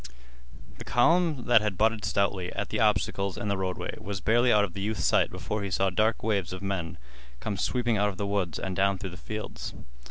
The column that had butted stoutly at the obstacles in the roadway was barely out of the youth's sight before he saw dark waves of men come sweeping out of the woods and down through the fields.